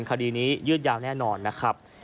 คดีนี้ยืดยาวแน่นอนนะครับ